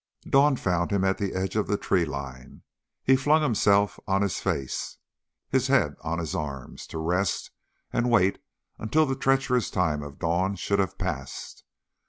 Dawn found him at the edge of the tree line. He flung himself on his face, his head on his arms, to rest and wait until the treacherous time of dawn should have passed.